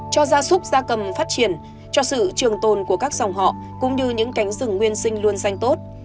cho gia súc gia cầm phát triển cho sự trường tồn của các dòng họ cũng như những cánh rừng nguyên sinh luôn xanh tốt